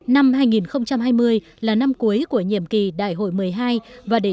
năm hai nghìn hai mươi là năm cuối của nhiệm kỳ đại hội một mươi hai